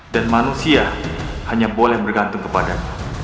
dan manusia hanya boleh bergantung kepadamu